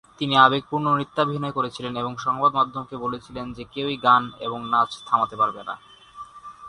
তিনি আবেগপূর্ণ নৃত্যাভিনয় করেছিলেন এবং সংবাদ মাধ্যমকে বলেছিলেন যে কেউই গান এবং নাচ থামাতে পারবে না।